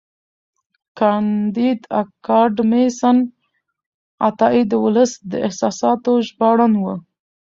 کانديد اکاډميسن عطایي د ولس د احساساتو ژباړن و.